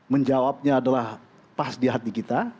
menjawabnya adalah pas di hati kita